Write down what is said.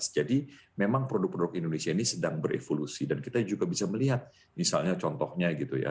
jadi memang produk produk indonesia ini sedang berevolusi dan kita juga bisa melihat misalnya contohnya gitu ya